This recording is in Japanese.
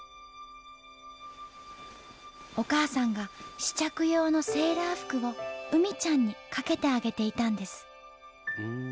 お母さんが試着用のセーラー服をうみちゃんにかけてあげていたんです。